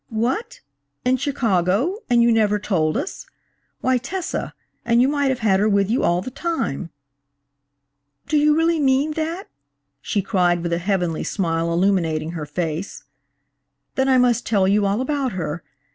"What! in Chicago! And you never told us! Why Tessa–and you might have had her with you all the time!" "Do you really mean that?" she cried with a heavenly smile illuminating her face. "Then I must tell you all about her.